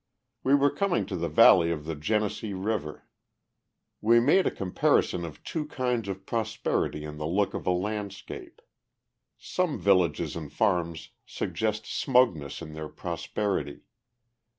We were coming to the valley of the Genesee River. We made a comparison of two kinds of prosperity in the look of a landscape. Some villages and farms suggest smugness in their prosperity.